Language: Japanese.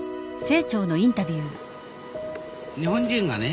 日本人がね